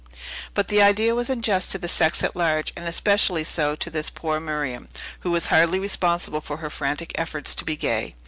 But the idea was unjust to the sex at large, and especially so to this poor Miriam, who was hardly responsible for her frantic efforts to be gay.